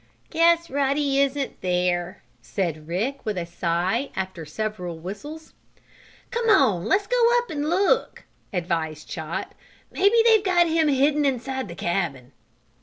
"Guess Ruddy isn't there," said Rick, with a sigh, after several whistles. "Come on; let's go up and look!" advised Chot. "Maybe they've got him hidden inside the cabin."